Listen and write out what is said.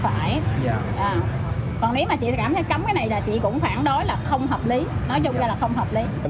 phải còn nếu mà chị cảm thấy cấm cái này là chị cũng phản đối là không hợp lý nói chung là không hợp lý